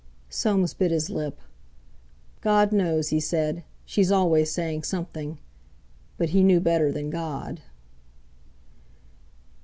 Soames bit his lip. "God knows!" he said; "she's always saying something;" but he knew better than God.